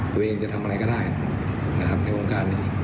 ตัวเองจะทำอะไรก็ได้นะครับในวงการนี้